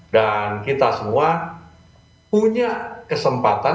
dan kita semua punya kesempatan